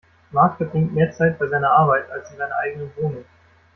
Mark verbringt mehr Zeit bei seiner Arbeit als in seiner eigenen Wohnung.